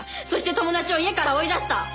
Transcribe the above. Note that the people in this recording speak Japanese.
そして友達を家から追い出した！